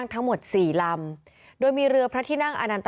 ในเวลาเดิมคือ๑๕นาทีครับ